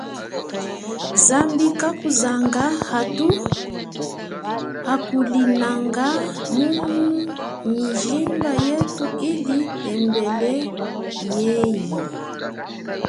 Zambi kakuzanga hatu akulinanga mumu mijimba yetu ili tembele yenyi.